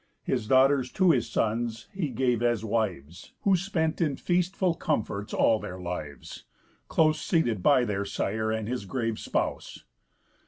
His daughters to his sons he gave as wives; Who spent in feastful comforts all their lives, Close seated by their sire and his grave spouse.